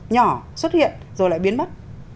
nhỏ xuất hiện rồi lại biến mất